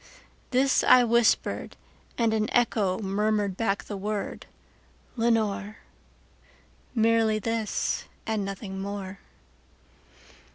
This I whispered, and an echo murmured back the word, "Lenore:"Merely this and nothing more.